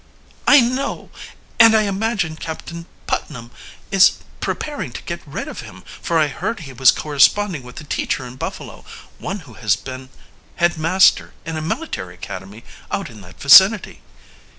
"I know it and I imagine Captain Putnam is preparing to get rid of him, for I heard he was corresponding with a teacher in Buffalo one who has been head master in a military academy out in that vicinity."